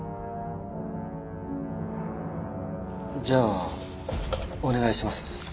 じゃあお願いします。